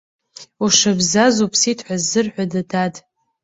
Ушыбзаз уԥсит ҳәа ззырҳәода, дад?